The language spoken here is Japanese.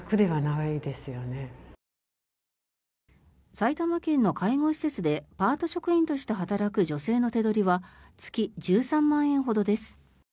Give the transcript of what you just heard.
埼玉県の介護施設でパート職員として働く女性の手取りは月１３万円ほどです。